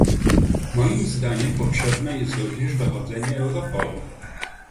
Moim zdaniem potrzebne jest również dochodzenie Europolu